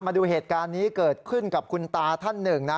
มาดูเหตุการณ์นี้เกิดขึ้นกับคุณตาท่านหนึ่งนะ